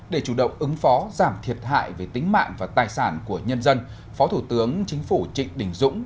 để chủ động ứng phó giảm thiệt hại về tính mạng và tài sản của nhân dân phó thủ tướng chính phủ trịnh đình dũng